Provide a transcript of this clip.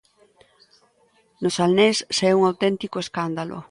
No Salnés xa é un auténtico escándalo.